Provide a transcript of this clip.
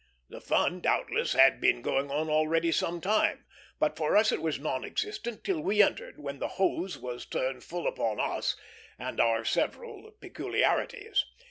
The fun, doubtless, had been going on already some time; but for us it was non existent till we entered, when the hose was turned full upon us and our several peculiarities.